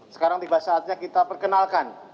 sekarang tiba saatnya kita perkenalkan